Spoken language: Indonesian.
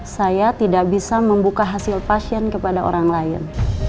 saya tidak bisa membuka hasil pasien kepada orang lain